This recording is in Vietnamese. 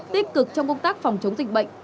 tích cực trong công tác phòng chống dịch bệnh